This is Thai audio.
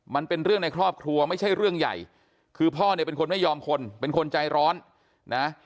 มันเป็นเรื่องในครอบครัวไม่ใช่เรื่องใหญ่คือพ่อเนี่ยเป็นคนไม่ยอมคนเป็นคนใจร้อนนะ